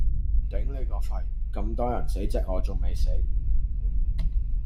頂你個肺，咁多人死隻鵝仲未死